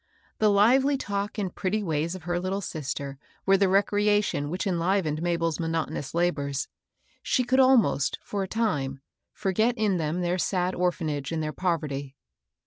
The lively talk and pretty ways of her little sister were the recreation which enlivened Ma bel's monotonous labors; she coiild alinost, for a time, forget in them their sad orphanage and their poverty.